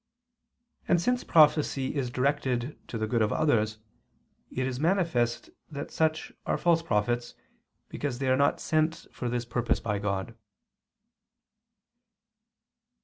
And since prophecy is directed to the good of others, it is manifest that such are false prophets, because they are not sent for this purpose by God.